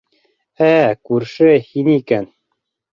-Ә, күрше, һин икән!